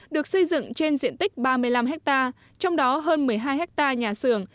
được xây dựng trên diện tích ba mươi năm hectare trong đó hơn một mươi hai ha nhà xưởng